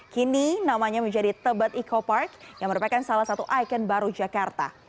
kini namanya menjadi tebet eco park yang merupakan salah satu ikon baru jakarta